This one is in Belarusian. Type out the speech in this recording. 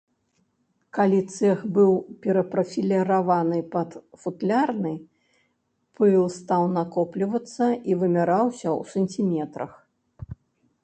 Калі цэх быў перапрафіліраваны пад футлярны, пыл стаў накоплівацца і вымяраўся ў сантыметрах.